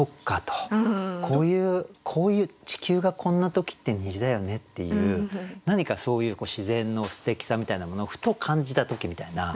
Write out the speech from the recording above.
こういう地球がこんな時って虹だよねっていう何かそういう自然のすてきさみたいなものをふと感じた時みたいな。